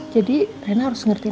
jadi rena harus ngerti